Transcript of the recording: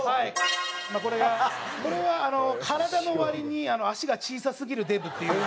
これがこれは体の割に足が小さすぎるデブっていう。